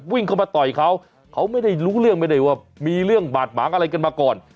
วิ่งเข้ามาต่อยเขาเขาไม่ได้รู้เรื่องไม่ได้ว่ามีเรื่องบาดหมางอะไรกันมาก่อน